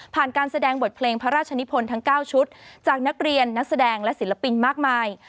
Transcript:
การแสดงบทเพลงพระราชนิพลทั้ง๙ชุดจากนักเรียนนักแสดงและศิลปินมากมาย